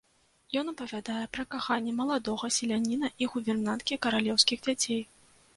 Ён апавядае пра каханне маладога селяніна і гувернанткі каралеўскіх дзяцей.